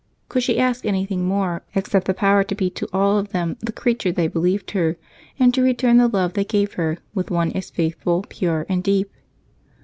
Could she ask anything more, except the power to be to all of them the creature they believed her, and to return the love they gave her with one as faithful, pure, and deep?